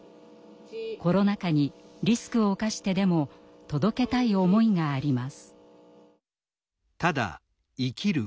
コロナ禍にリスクを冒してでも届けたい思いがあります。